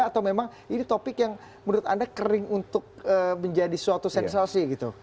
atau memang ini topik yang menurut anda kering untuk menjadi suatu sensasi gitu